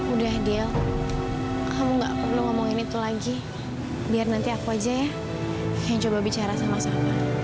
udah deal kamu gak perlu ngomongin itu lagi biar nanti aku aja ya yang coba bicara sama sama